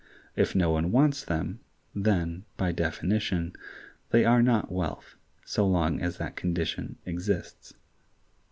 If no one wants them, then, by definition, they are not wealth so long as that condition exists.